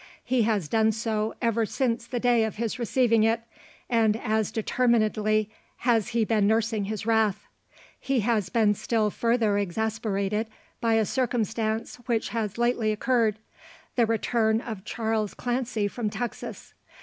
He has done so ever since the day of his receiving it; and as determinedly has he been nursing his wrath. He has been still further exasperated by a circumstance which has lately occurred the return of Charles Clancy from Texas.